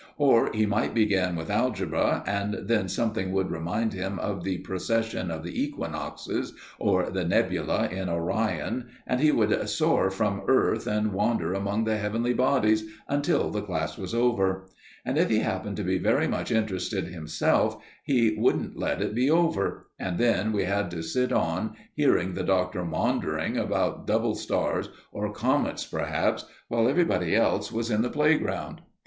Or he might begin with algebra and then something would remind him of the procession of the equinoxes, or the nebula in Orion, and he would soar from earth and wander among the heavenly bodies until the class was over. And if he happened to be very much interested himself, he wouldn't let it be over; and then we had to sit on hearing the Doctor maundering about double stars, or comets perhaps, while everybody else was in the playground.